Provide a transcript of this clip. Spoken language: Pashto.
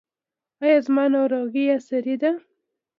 ایا زما ناروغي ارثي ده؟